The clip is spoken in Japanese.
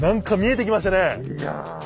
いや！